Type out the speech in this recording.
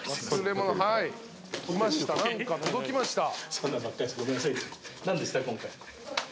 そんなんばっかりですごめんなさい。